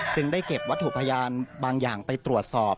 ได้เก็บวัตถุพยานบางอย่างไปตรวจสอบ